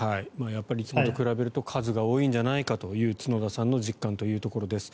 いつもと比べると数が多いんじゃないかという角田さんの実感ということです。